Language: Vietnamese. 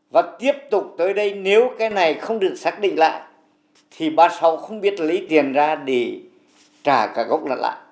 và tiếp tục tới đây nếu cái này không được xác định lại thì ba mươi sáu không biết lấy tiền ra để trả cả gốc lại